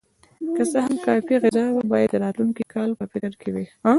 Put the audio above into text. که څه هم کافي غذا وه، باید د راتلونکي کال په فکر کې وای.